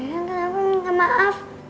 eyang kenapa minta maaf